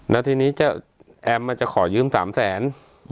แล้วทีนี้แอมจะขอยืม๓แสน